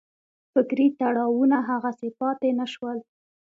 فکري تړاوونه هغسې پاتې نه شول.